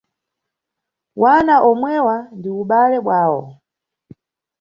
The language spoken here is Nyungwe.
Wana omwewa ndi ubale bwawo.